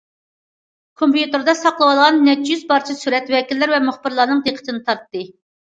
كومپيۇتېردا ساقلىۋالغان نەچچە يۈز پارچە سۈرەت ۋەكىللەر ۋە مۇخبىرلارنىڭ دىققىتىنى تارتتى.